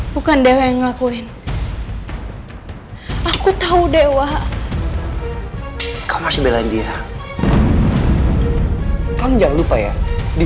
bukan dewa ngelakuin aku tahu dewa kau masih belain dia kamu jangan lupa ya di